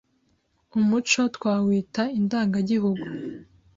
Umuco twawita indangagihugu